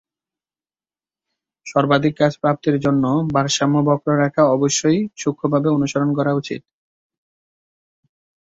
সর্বাধিক কাজ প্রাপ্তির জন্য ভারসাম্য বক্ররেখা অবশ্যই সূক্ষ্মভাবে অনুসরণ করা উচিত।